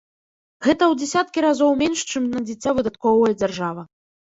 Гэта ў дзесяткі разоў менш, чым на дзіця выдаткоўвае дзяржава.